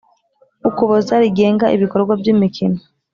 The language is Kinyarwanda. Ukuboza rigenga ibikorwa by imikino